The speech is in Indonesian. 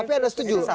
tapi ada setuju